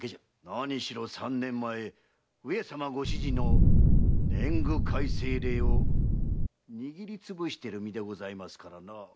何しろ三年前上様ご指示の年貢改正令を握りつぶしている身ですからな。